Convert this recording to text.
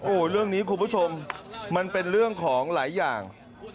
โอ้โหเรื่องนี้คุณผู้ชมมันเป็นเรื่องของหลายอย่าง